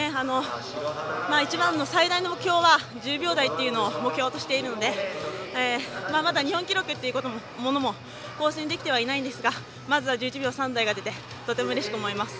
一番の最大の目標は１０秒台っていうのを目標としているのでまだ日本記録っていうものも更新できてはいないんですがまずは１１秒３台が出てとてもうれしく思います。